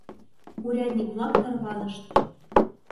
Урядник-влак тарванышт.